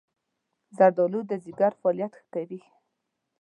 زردآلو د ځيګر فعالیت ښه کوي.